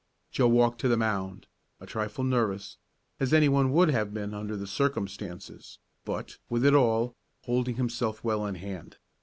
Joe walked to the mound, a trifle nervous, as anyone would have been under the circumstances, but, with it all, holding himself well in hand.